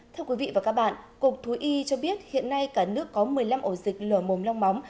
thưa quý vị và các bạn cục thú y cho biết hiện nay cả nước có một mươi năm ổ dịch lở mồm long móng